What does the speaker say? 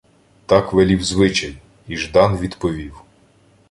Так велів звичай, і Ждан відповів: